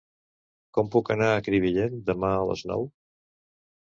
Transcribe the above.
Com puc anar a Crevillent demà a les nou?